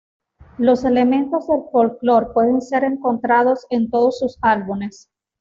Los elementos de folklore pueden ser encontrados en todos sus álbumes.